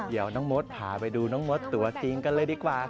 เดี๋ยวน้องมดพาไปดูน้องมดตัวจริงกันเลยดีกว่า